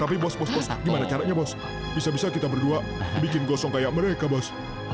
tapi bos bos gimana caranya bos bisa bisa kita berdua bikin gosong kayak mereka bos